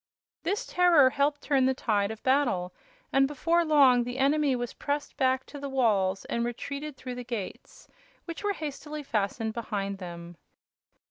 This terror helped turn the tide of battle, and before long the enemy was pressed back to the walls and retreated through the gates, which were hastily fastened behind them.